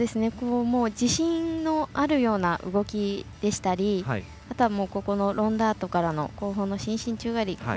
自信のあるような動きでしたりあとは、ロンダートからの後方の伸身宙返り。